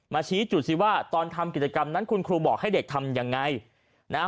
ชี้จุดสิว่าตอนทำกิจกรรมนั้นคุณครูบอกให้เด็กทำยังไงนะฮะ